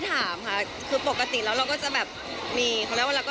เพราะเขาโอเคแบบสบายมาก